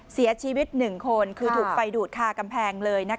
เสียชีวิต๑คนคือถูกไฟดูดคากำแพงเลย